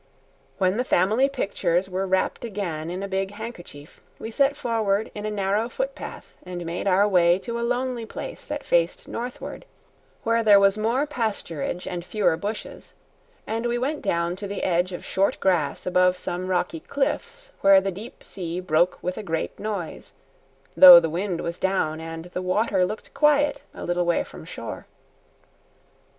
When the family pictures were wrapped again in a big handkerchief, we set forward in a narrow footpath and made our way to a lonely place that faced northward, where there was more pasturage and fewer bushes, and we went down to the edge of short grass above some rocky cliffs where the deep sea broke with a great noise, though the wind was down and the water looked quiet a little way from shore.